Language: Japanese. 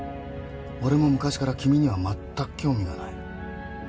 俺も昔から君にはまったく興味がない。